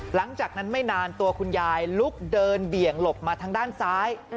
หลังจากนั้นไม่นานตัวคุณยายลุกเดินเบี่ยงหลบมาทางด้านซ้าย